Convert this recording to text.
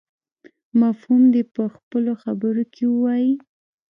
مفهوم دې په خپلو خبرو کې ووایي.